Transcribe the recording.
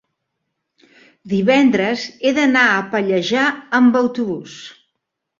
divendres he d'anar a Pallejà amb autobús.